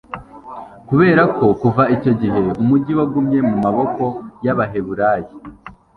kubera ko, kuva icyo gihe umugi wagumye mu maboko y'abahebureyi